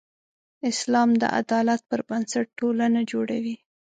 اسلام د عدالت پر بنسټ ټولنه جوړوي.